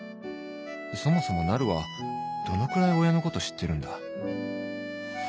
そもそもなるはどのくらい親のこと知ってるんだ？